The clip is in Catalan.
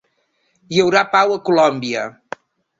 Hi haurà pau a Colòmbia